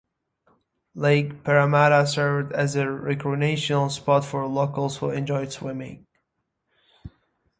Lake Parramatta served as a recreational spot for locals who enjoyed swimming.